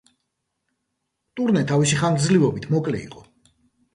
ტურნე თავისი ხანგრძლივობით მოკლე იყო.